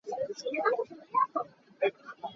Na kuak zuk hi na mak awk a si.